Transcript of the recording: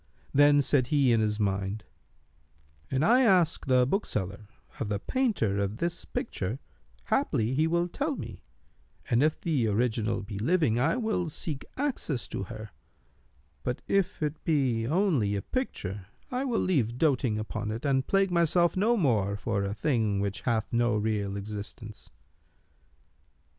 Then said he in his mind, "An I ask the bookseller of the painter of this picture, haply he will tell me; and if the original be living, I will seek access to her; but, if it be only a picture, I will leave doting upon it and plague myself no more for a thing which hath no real existence."